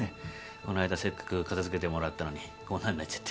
この間せっかく片付けてもらったのにこんなになっちゃって。